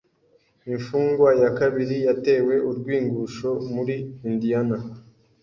Imfungwa ya kabiri yatewe urw'ingusho muri Indiana